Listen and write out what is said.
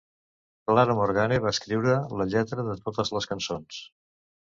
Clara Morgane va escriure la lletra de totes les cançons.